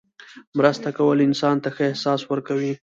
مرسته کول انسان ته ښه احساس ورکوي.